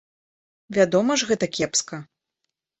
Вядома ж, гэта кепска!